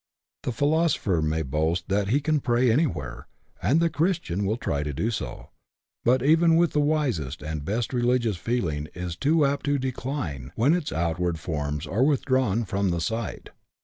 The philosopher may boast that he can pray anywhere, and the Christian will try to do so ; but even with the wisest and best religious feeling is too apt to decline when its outward forms are withdrawn from the sight.